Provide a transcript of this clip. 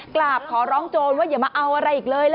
กราบขอร้องโจรว่าอย่ามาเอาอะไรอีกเลย